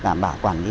để đảm bảo quản lý